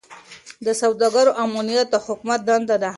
د سوداګرو امنیت د حکومت دنده ده.